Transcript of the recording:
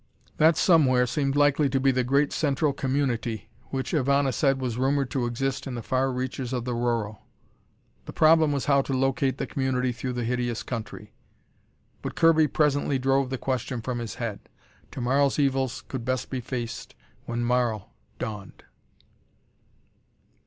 That somewhere seemed likely to be the great central community which Ivana said was rumored to exist in the far reaches of the Rorroh. The problem was how to locate the community through the hideous country. But Kirby presently drove the question from his head. To morrow's evils could best be faced when morrow dawned.